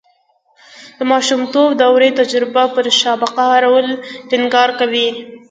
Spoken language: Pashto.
د ماشومتوب دورې تجربو پر سابقه او رول ټینګار کوي